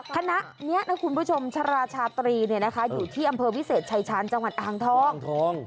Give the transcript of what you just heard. คณะนี้นะคุณผู้ชมชราชาตรีอยู่ที่อำเภอวิเศษชายชาญจังหวัดอ่างทอง